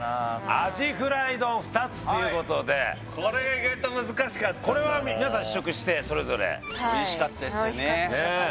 アジフライ丼２つっていうことでこれが意外と難しかったこれは皆さん試食してそれぞれおいしかったですよねおいしかったですね